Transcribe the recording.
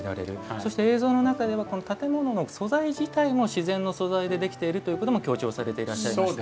そして、映像の中では建物の素材自体も自然の素材でできているということも強調されていらっしゃいました。